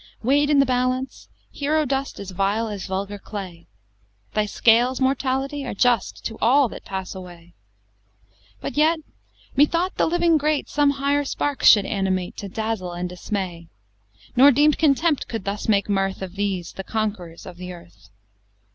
XII Weigh'd in the balance, hero dust Is vile as vulgar clay; Thy scales, Mortality! are just To all that pass away: But yet methought the living great Some higher sparks should animate, To dazzle and dismay: Nor deem'd Contempt could thus make mirth Of these, the Conquerors of the earth.